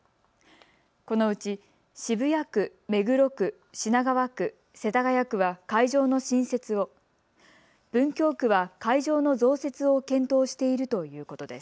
このうち渋谷区、目黒区、品川区、世田谷区は会場の新設を、文京区は会場の増設を検討しているということです。